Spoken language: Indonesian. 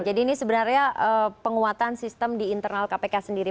jadi ini sebenarnya penguatan sistem di internal kpk sendiri